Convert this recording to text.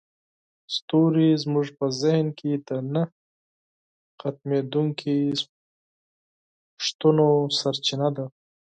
ستوري زموږ په ذهن کې د نه ختمیدونکي سوالونو سرچینه ده.